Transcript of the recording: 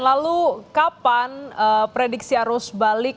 lalu kapan prediksi arus balik